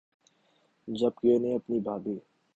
جب کہ انہیں اپنی بھابھی